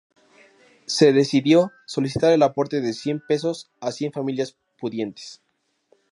Se decidió solicitar el aporte de cien pesos a cien familias pudientes.